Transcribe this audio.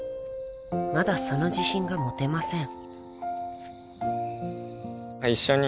まだその自信が持てません］